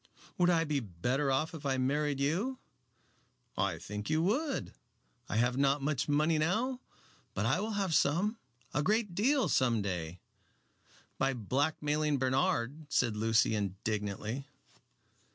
"Would I be better off if I married you?" "I think you would. I have not much money now, but I will have some a great deal some day." "By blackmailing Bernard," said Lucy, indignantly.